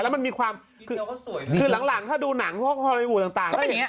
แล้วมันมีความคือหลังถ้าดูหนังพอละเอียดปุ๊บต่าง